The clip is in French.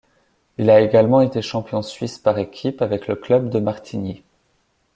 Il a également été champion suisse par équipes avec le club de Martigny.